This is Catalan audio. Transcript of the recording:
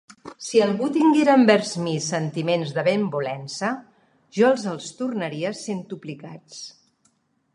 Si algú tinguera envers mi sentiments de benvolença, jo els els tornaria centuplicats.